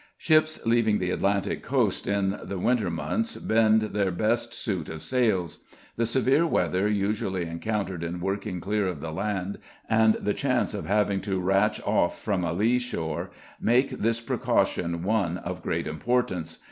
Ships leaving the Atlantic Coast in the winter months bend their best suit of sails. The severe weather usually encountered in working clear of the land, and the chance of having to ratch off from a lee shore, make this precaution one of great importance.